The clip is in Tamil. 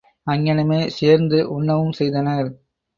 அங்ஙனமே சேர்ந்து உண்ணவும் செய்தனர்.